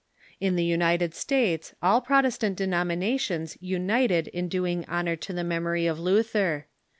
In the L^nited States all Protestant denomina tions united in doing honor to the memory of Luther.